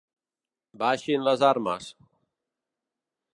Baixin les armes.